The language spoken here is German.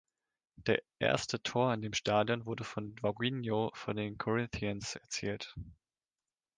Der erste Tor in dem Stadion wurde von Vaguinho von den Corinthians erzielt.